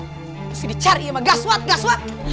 harus dicari ya emang gaswat gaswat